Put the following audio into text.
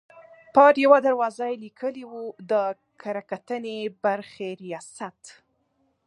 پر یوه دروازه یې لیکلي وو: د کره کتنې برخې ریاست.